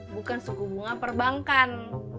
bukan suku bunga perbankan